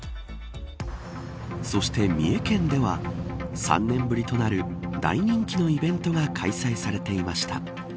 そして三重県では３年ぶりとなる大人気のイベントが開催されていました。